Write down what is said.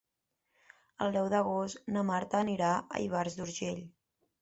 El deu d'agost na Marta anirà a Ivars d'Urgell.